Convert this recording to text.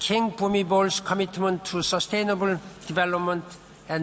คิงปูมิบอลในการปวดกันสำรวจสร้างสุข